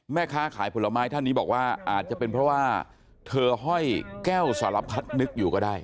แม่ค้าขายผลไม้ท่านนี้บอกว่าอาจจะเป็นเพราะว่าเธอห้อยแก้วสารพัดนึกอยู่ก็ได้